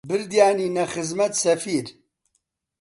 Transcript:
بردیانینە خزمەت سەفیر